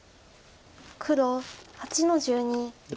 黒８の十二切り。